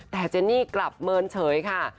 แต่เจนี่กลับเมินเฉยค่ะ